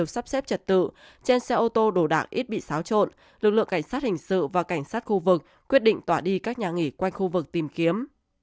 sắp xếp trật tự trên xe ô tô đổ đạc ít bị xáo trộn lực lượng cảnh sát hình sự và cảnh sát khu vực quyết định tỏa đi các nhà nghỉ quanh khu vực tìm kiếm